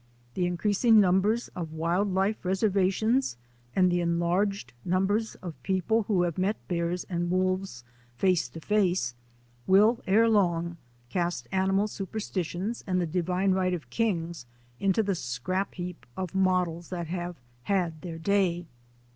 The increasing num bers of wild life reservations and the enlarged numbers of people who have met bears and wolves face to face will, ere long, cast animal superstitions and the divine right of kings into the scrap heap of models that have had their day.